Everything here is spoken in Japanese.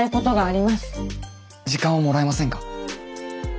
時間をもらえませんか？